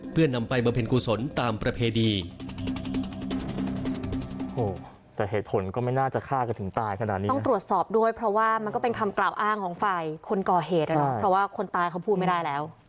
เพื่อนำไปบำเพ็ญกุศลตามประเพณี